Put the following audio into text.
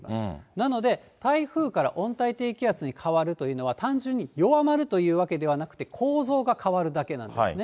なので、台風から温帯低気圧に変わるというのは、単純に弱まるというわけではなくて、構造が変わるだけなんですね。